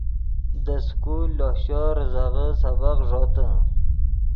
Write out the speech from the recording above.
دے سکول لوہ شور ریزغے سبق ݱوتے